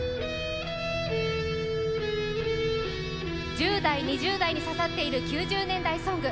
１０代、２０代に刺さっている９０年代ソング。